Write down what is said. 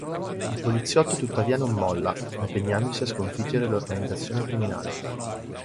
Il poliziotto tuttavia non molla, impegnandosi a sconfiggere l'organizzazione criminale.